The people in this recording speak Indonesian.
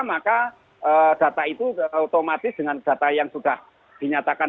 maka data itu otomatis dengan data yang sudah dinyatakan